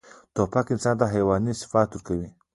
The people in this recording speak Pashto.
توپک انسان ته حیواني صفات ورکوي.